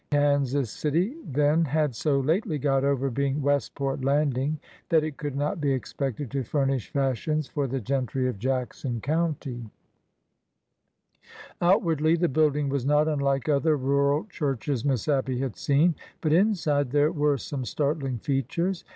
Kansas City then had so lately got over being '' Westport Landing " that it could not be expected to furnish fashions for the gentry of Jackson County Outwardly, the building was not unlike other rural churches Miss Abby had seen ; but inside there were some startling features.